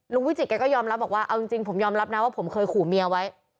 วิจิตแกก็ยอมรับบอกว่าเอาจริงผมยอมรับนะว่าผมเคยขู่เมียไว้